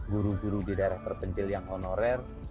guru guru di daerah terpencil yang honorer